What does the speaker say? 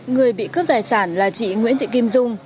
người bị cướp tài sản là chị nguyễn thị kim dung